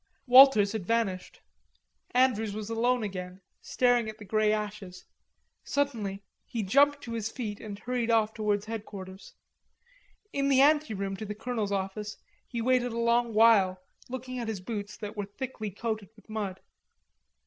Walters had vanished. Andrews was alone again, staring at the grey ashes. Suddenly he jumped to his feet and hurried off towards headquarters. In the anteroom to the colonel's office he waited a long while, looking at his boots that were thickly coated with mud.